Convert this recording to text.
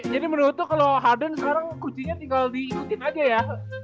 jadi menurut lu kalo harden sekarang kucingnya tinggal diikutin aja ya